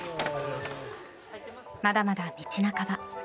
まだまだ道半ば。